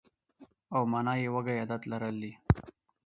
او مانا یې وږی عادت لرل دي.